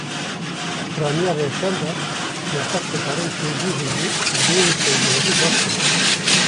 Di piraniya rewşan de, nexweş dikarin hêdî hêdî û bêy tevlihevî baş bibin.